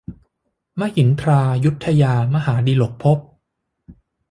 มหินทรายุทธยา มหาดิลกภพ